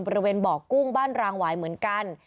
บริเวณบ่อกุ้งบ้านรางหวายเหมือนกัน